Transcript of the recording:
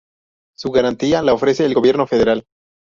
Su garantía la ofrece el Gobierno Federal.